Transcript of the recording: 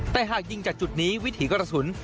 แต่หากยิงจากจุดนี้วิถีกระสุน